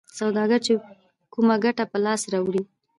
سوداګر چې کومه ګټه په لاس راوړي